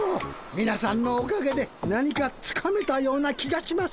みなさんのおかげで何かつかめたような気がします。